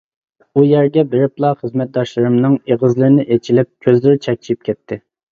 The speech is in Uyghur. ئۇ يەرگە بېرىپلا خىزمەتداشلىرىمنىڭ ئېغىزلىرى ئېچىلىپ، كۆزلىرى چەكچىيىپ كەتتى.